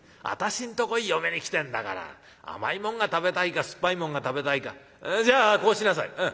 私んとこへ嫁に来てんだから甘いもんが食べたいか酸っぱいもんが食べたいかじゃあこうしなさい。